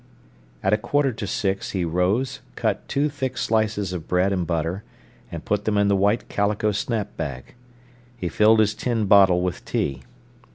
At a quarter to six he rose, cut two thick slices of bread and butter, and put them in the white calico snap bag. He filled his tin bottle with tea.